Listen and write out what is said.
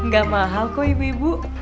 gak mahal kok ibu ibu